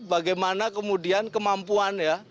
bagaimana kemudian kemampuan ya